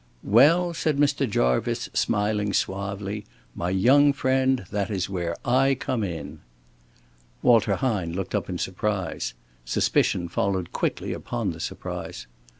"Well," said Mr. Jarvice, smiling suavely, "my young friend, that is where I come in." Walter Hine looked up in surprise. Suspicion followed quickly upon the surprise.